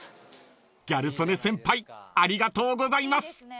［ギャル曽根先輩ありがとうございます］